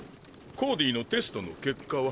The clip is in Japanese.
コーディのテストのけっかは？